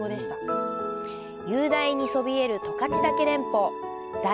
雄大にそびえる十勝岳連峰。